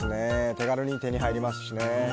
手軽に手に入りますしね。